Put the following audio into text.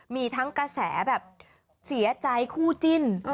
มีกระแสแบบเสียใจผู้จิ้ม